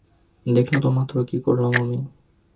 দেখলে তো মাত্র কি করলাম আমি?